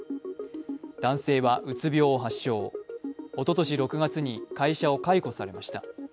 男性はうつ病を発症、おととし６月に会社を解雇されました。